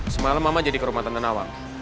semalam mama jadi ke rumah tante nawang